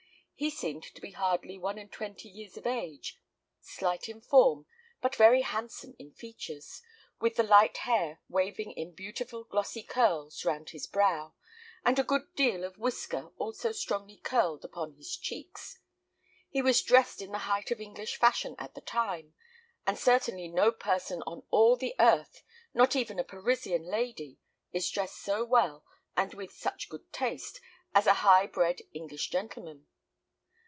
He seemed to be hardly one and twenty years of age, slight in form, but very handsome in features, with the light hair waving in beautiful glossy curls round his brow, and a good deal of whisker also strongly curled upon his cheeks. He was dressed in the height of the English fashion at the time; and certainly no person on all the earth, not even a Parisian lady, is dressed so well, and with such good taste, as a high bred English gentleman.